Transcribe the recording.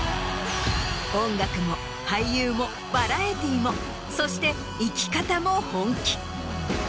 音楽も俳優もバラエティーもそして生き方も本気。